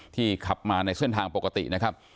ที่ขับมาในเสื่อนทางปกตินะครับ